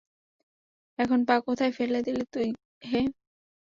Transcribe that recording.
এখন পা কোথায় ফেলে দিলি তুই, হে।